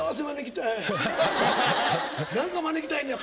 何か招きたいねんや。